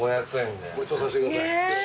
ごちそうさせてください。